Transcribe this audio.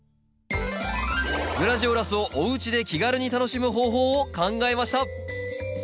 グラジオラスをおうちで気軽に楽しむ方法を考えました！